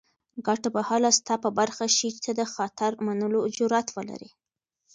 ګټه به هله ستا په برخه شي چې ته د خطر منلو جرات ولرې.